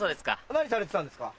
何されてたんですか？